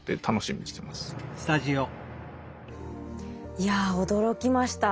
いや驚きました。